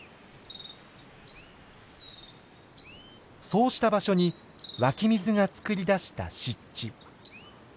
そうした場所に湧き水が作り出した湿地。